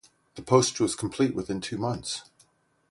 The post was complete within two months.